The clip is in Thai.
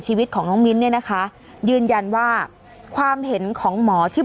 ชีวิตของน้องมิ้นเนี่ยนะคะยืนยันว่าความเห็นของหมอที่